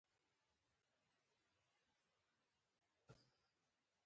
د جنتري له مخې سبا ورځ د پلار لپاره ځانګړې شوې